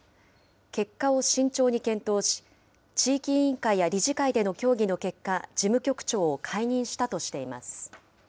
結果を慎重に検討し、地域委員会や理事会での協議の結果、事務局長を解任したとしています。